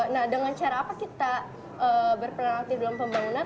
nah dengan cara apa kita berperan aktif dalam pembangunan